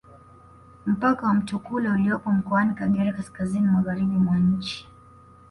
Mpaka wa Mutukula uliopo mkoani Kagera kaskazini magharibi mwa nchi